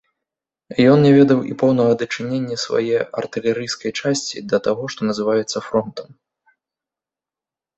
Ён не ведаў і поўнага дачынення свае артылерыйскай часці да таго, што называецца фронтам.